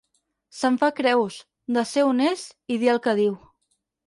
Se'n fa creus, de ser on és i dir el que diu.